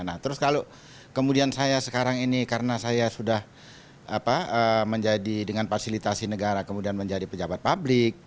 nah terus kalau kemudian saya sekarang ini karena saya sudah menjadi dengan fasilitasi negara kemudian menjadi pejabat publik